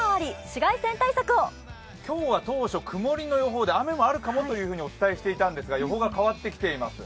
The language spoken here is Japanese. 今日は当初、くもりの予報で雨があるかもとお伝えしていたんですが、予報が変わってきています。